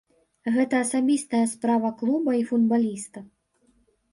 Гэта асабістая справа клуба і футбаліста.